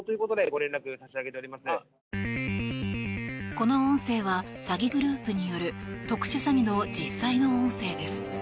この音声は詐欺グループによる特殊詐欺の実際の音声です。